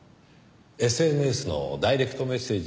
ＳＮＳのダイレクトメッセージは？